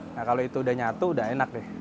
nah kalau itu udah nyatu udah enak deh